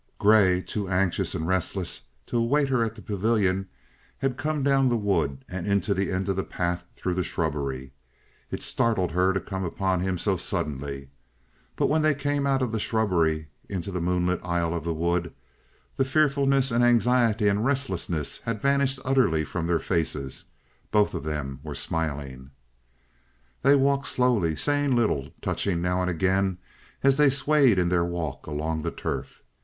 Grey, too anxious and restless to await her at the pavilion, had come down the wood and into the end of the path through the shrubbery. It startled her to come upon him so suddenly. But when they came out of the shrubbery into the moonlit aisle of the wood, the fearfulness and anxiety and restlessness had vanished utterly from their faces; both of them were smiling. They walked slowly, saying little, touching now and again as they swayed in their walk along the turf.